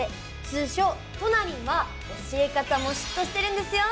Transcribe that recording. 通称トナりんは教え方もシュッとしてるんですよ！